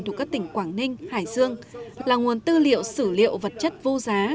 thuộc các tỉnh quảng ninh hải dương là nguồn tư liệu sử liệu vật chất vô giá